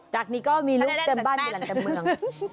จากนี้ก็มีรุ่นเต็มบ้านและเต็มเมือง